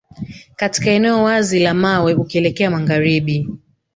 Katika eneo wazi la mawe ukielekea magharibi